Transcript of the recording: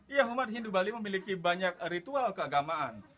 ya umat hindu bali memiliki banyak ritual keagamaan